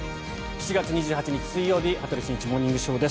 ７月２８日、水曜日「羽鳥慎一モーニングショー」。